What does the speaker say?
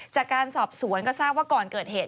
จากการสอบสวนก็ทราบว่าก่อนเกิดเหตุ